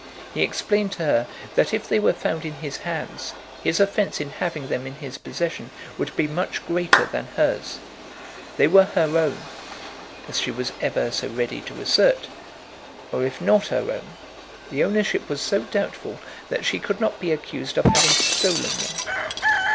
He explained to her that if they were found in his hands, his offence in having them in his possession would be much greater than hers. They were her own, as she was ever so ready to assert; or if not her own, the ownership was so doubtful that she could not be accused of having stolen them.